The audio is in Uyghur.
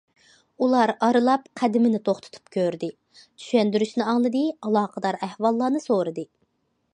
ئۇلار ئارىلاپ قەدىمىنى توختىتىپ كۆردى، چۈشەندۈرۈشنى ئاڭلىدى، ئالاقىدار ئەھۋاللارنى سورىدى.